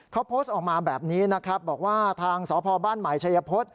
เขาโพสต์ออกมาแบบนี้นะครับบอกว่าทางสพบ้านใหม่ชัยพฤษ